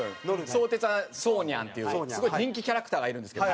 相鉄はそうにゃんっていうすごい人気キャラクターがいるんですけど。